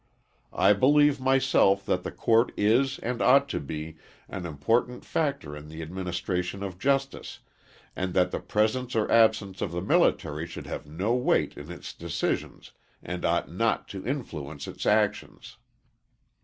I believe myself that the court is and ought to be, an important factor in the administration of justice, and that the presence or absence of the military should have no weight in its decisions, and ought not to influence its actions.